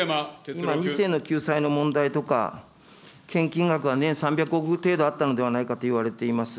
今、２世の救済の問題とか、献金額は年３００億程度あったのではないかと言われています。